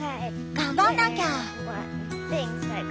頑張んなきゃ。